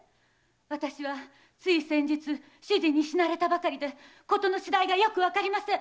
私はつい先日主人に死なれたばかりでことの次第がよくわかりません。